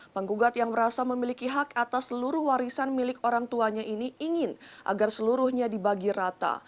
penggugat yang merasa memiliki hak atas seluruh warisan milik orang tuanya ini ingin agar seluruhnya dibagi rata